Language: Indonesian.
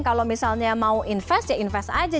kalau misalnya mau investasi investasi aja